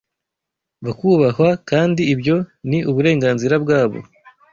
bakubahwa kandi ibyo ni uburenganzira bwabo